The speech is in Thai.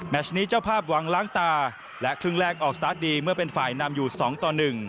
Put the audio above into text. ชนี้เจ้าภาพหวังล้างตาและครึ่งแรกออกสตาร์ทดีเมื่อเป็นฝ่ายนำอยู่๒ต่อ๑